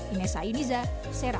ini saya iza sera